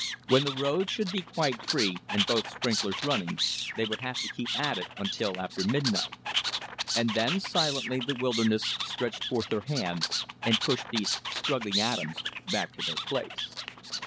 When the road should be quite free, and both sprinklers running, they would have to keep at it until after midnight. And then silently the wilderness stretched forth her hand and pushed these struggling atoms back to their place.